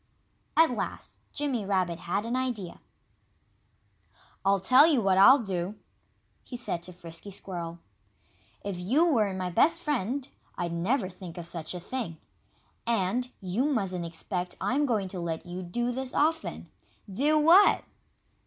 At last Jimmy Rabbit had an idea. "I'll tell you what I'll do," he said to Frisky Squirrel. "If you weren't my best friend I'd never think of such a thing. And you mustn't expect I'm going to let you do this often " "Do what?"